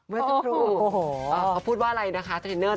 เวอร์สัตว์โอ้โหพูดว่าอะไรนะคะเทรนเนอร์ตะนั้น